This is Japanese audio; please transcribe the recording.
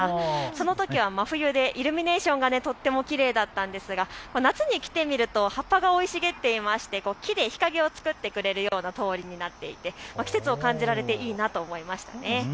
そのときは真冬でイルミネーションがとてもきれいだったんですが夏に来てみると葉っぱが生い茂っていて日で日陰を作ってくれるような通りになっていて季節を感じられていいなと思いました。